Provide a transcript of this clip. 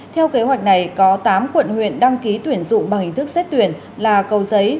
theo kế hoạch này có tám quận huyện đăng ký tuyển dụng bằng hình thức xét tuyển là cầu giấy